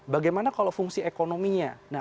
bagaimana kalau fungsi ekonominya